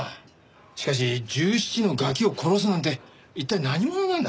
しかし１７のガキを殺すなんて一体何者なんだ？